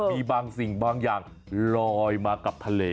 มีบางสิ่งบางอย่างลอยมากับทะเล